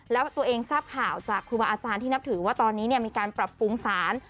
แล้วตัวเองทราบข่าวจากครูบาอาจารย์ที่นับถือว่าตอนนี้มีการปรับปรุงสาร